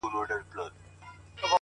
زه به دا ټول كندهار تاته پرېږدم؛